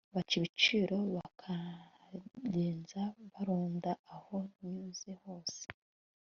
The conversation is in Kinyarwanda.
baca ibico, bakangenza, baronda aho nyuze hose